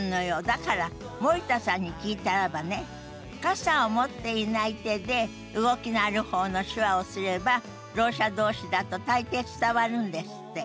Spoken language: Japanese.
だから森田さんに聞いたらばね傘を持っていない手で動きのある方の手話をすればろう者同士だと大抵伝わるんですって。